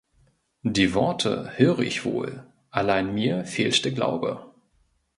Die Worte höre ich wohl, allein mir fehlt der Glaube.